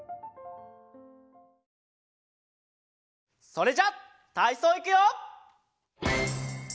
それじゃたいそういくよ！